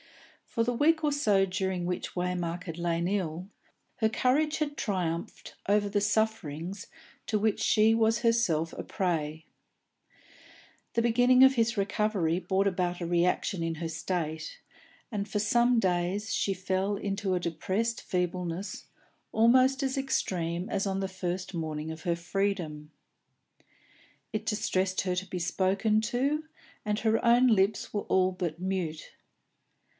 For the week or so during which Waymark had lain ill, her courage had triumphed over the sufferings to which she was herself a prey; the beginning of his recovery brought about a reaction in her state, and for some days she fell into a depressed feebleness almost as extreme as on the first morning of her freedom. It distressed her to be spoken to, and her own lips were all but mute.